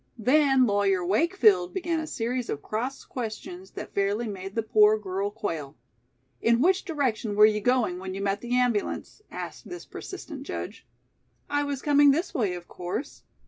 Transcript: Then Lawyer Wakefield began a series of cross questions that fairly made the poor girl quail. "In which direction were you going when you met the ambulance?" asked this persistent judge. "I was coming this way, of course."